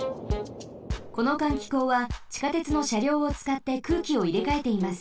この換気口はちかてつのしゃりょうをつかって空気をいれかえています。